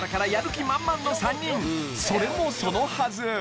それもそのはず